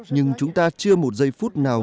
nhưng chúng ta chưa một giây phút nào